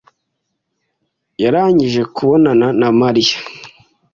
yarangije kubonana na Mariya.